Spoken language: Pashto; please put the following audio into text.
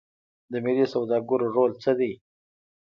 د ملي سوداګرو رول څه دی؟